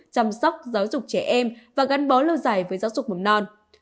chăm sóc giáo dục trẻ em và gắn bó lâu dài với giáo dục mầm non